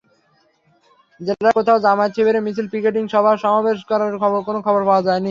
জেলার কোথাও জামায়াত-শিবিরের মিছিল, পিকেটিং সভা-সমাবেশ করার কোনো খবর পাওয়া যায়নি।